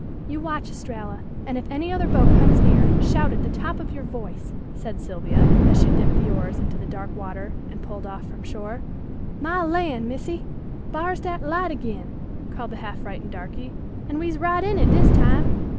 "You watch, Estralla, and if any other boat comes near shout at the top of your voice," said Sylvia as she dipped the oars into the dark water and pulled off from shore. "My lan', Missy! Bar's dat light agin," called the half frightened darky, "an' we's right in it dis time!"